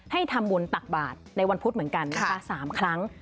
ให้ทำบุญตักบาทในวันพุธเหมือนกันนะคะ๓ครั้ง